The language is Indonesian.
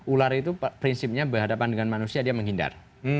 ular itu prinsipnya berhadapan dengan manusia dia menghindar